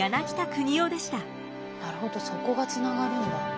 なるほどそこがつながるんだ。